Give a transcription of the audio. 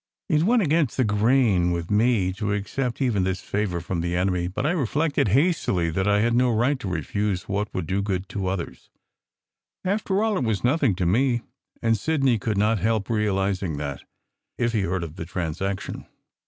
It went against the grain with me to accept even this favour from the enemy; but I reflected hastily that I had 270 SECRET HISTORY no right to refuse what would do good to others. After all, it was nothing to me, and Sidney could not help realiz ing that, if he heard of the transaction.